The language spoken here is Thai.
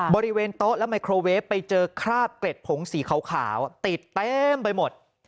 บริเวณโต๊ะและไมโครเวฟไปเจอคราบเกร็ดผงสีขาวติดเต็มไปหมด